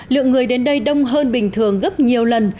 lượng người đến đây đông hơn bình thường gấp nhiều lần